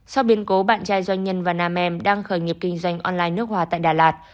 sau biến cố bạn trai doanh nhân và nam em đang khởi nghiệp kinh doanh online nước hoa tại đà lạt